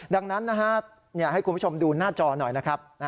ดังนั้นให้คุณผู้ชมดูหน้าจอหน่อยนะครับ